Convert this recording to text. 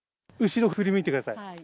後ろ振り向いてください。